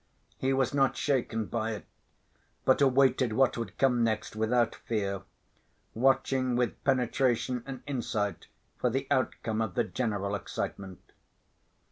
He was not shaken by it, but awaited what would come next without fear, watching with penetration and insight for the outcome of the general excitement.